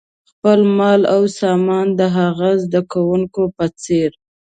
خپل مال او سامان د هغه زده کوونکي په څېر.